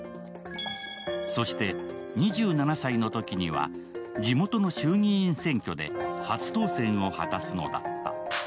そして２７歳のときには地元の衆議院選挙で初当選を果たすのだった。